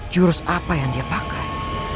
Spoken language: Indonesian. jurus apa yang dia pakai